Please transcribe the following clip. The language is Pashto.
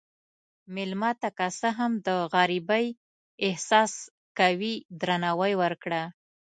مېلمه ته که څه هم د غریبۍ احساس کوي، درناوی ورکړه.